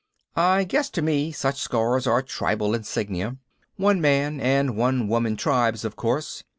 I guess to me such scars are tribal insignia one man and one woman tribes of course.